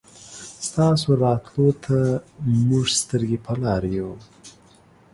ستاسو راتلو ته مونږ سترګې په لار يو